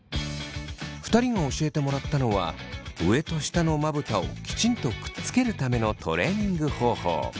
２人が教えてもらったのは上と下のまぶたをきちんとくっつけるためのトレーニング方法。